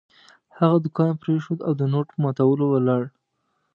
هغه دوکان پرېښود او د نوټ په ماتولو ولاړ.